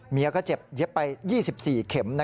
เมียก็เจ็บเย็บไป๒๔เข็ม